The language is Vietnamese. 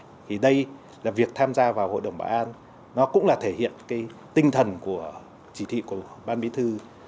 thì đây là việc tham gia vào hội đồng bảo an nó cũng là thể hiện cái tinh thần của chỉ thị của ban bí thư